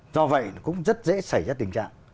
do vậy cũng rất dễ xảy ra tình trạng